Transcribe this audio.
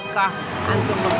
berkah antum mengasih